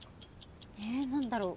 何だろう？